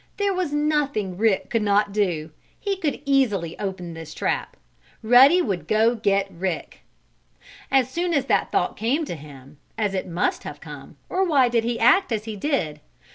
There was nothing Rick could not do. He could easily open this trap. Ruddy would go get Rick. As soon as this thought came to him (as it must have come; or why did he act as he did?)